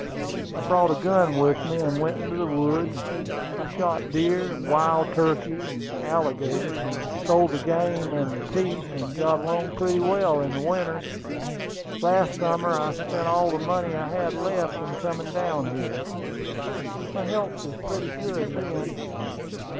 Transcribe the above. I brought a gun with me, and went into the woods. I shot deer, wild turkeys, and alligators. I sold the game and the teeth, and got along pretty well in the winter. Last summer I spent all the money I had left in coming down here. My health was pretty good then.